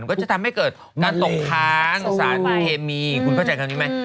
ก็จะทำให้เกิดการตกค้างสารเคมีคุณเข้าใจคำนี้ไหม